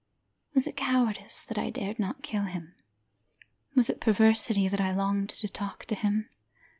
Was it cowardice, that I dared not kill him? Was it perversity, that I longed to talk to him?